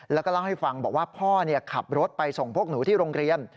แล้วก็เล่าให้ฟังบอกว่าพ่อขับรถไปส่งพวกหนูที่โรงเรียน